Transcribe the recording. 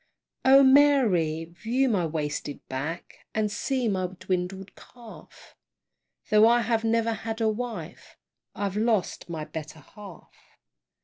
O Mary! view my wasted back, And see my dwindled calf; Tho' I have never had a wife, I've lost my better half.